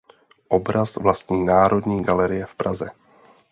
Obraz vlastní Národní galerie v Praze.